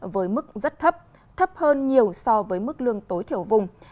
với mức rất thấp thấp hơn nhiều so với mức lương tối thiểu vùng